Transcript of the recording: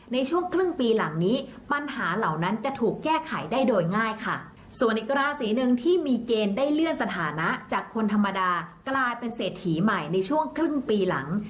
ในช่วงครึ่งปีหลังนี้ปัญหาเหล่านั้นจะถูกแก้ไขได้โดยง่ายค่ะส่วนอีกราศีหนึ่งที่มีเกณฑ์ได้เลื่อนสถานะจากคนธรรมดากลายเป็นเศรษฐีใหม่ในช่วงครึ่งปีหลัง